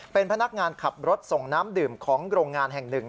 เป็นพนักงานขับรถส่งน้ำดื่มของโรงงานแห่งหนึ่ง